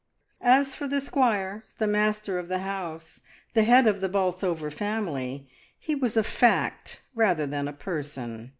As for the squire, the master of the house, the head of the Bolsover family, he was a Fact rather than a person.